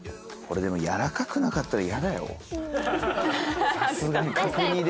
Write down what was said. これでもやわらかくなかったら嫌だよ。